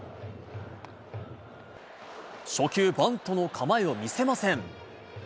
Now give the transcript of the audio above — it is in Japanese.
初球、バントの構えを見せません。